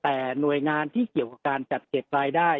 แต่หน่วยงานที่เกี่ยวกับการจัดเก็บรายได้